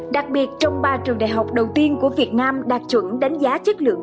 đặc biệt trong ba trường đại học đầu tiên của việt nam đạt chuẩn đánh giá chất lượng